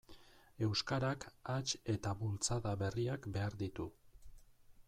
Euskarak hats eta bultzada berriak behar ditu.